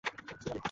ভালোই করো তুমি।